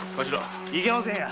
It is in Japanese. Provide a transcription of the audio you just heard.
いけませんや。